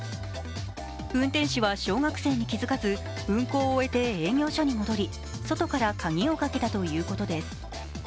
運転手は小学生に気づかず運行を終えて営業所に戻り外から鍵をかけたということです。